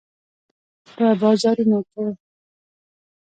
په بازارونو کې